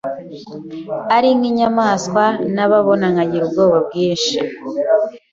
ari nk’inyamaswa nababona nkagira ubwoba bwinshi,